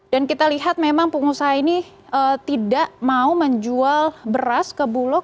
dan kita lihat memang pengusaha ini tidak mau menjual beras ke bulog